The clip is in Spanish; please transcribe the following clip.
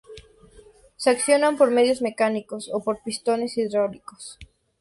Se accionan por medios mecánicos o por pistones hidráulicos.